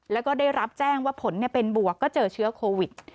แล้วก็ได้รับแจ้งว่าผลเป็นบวกก็เจอเชื้อโควิด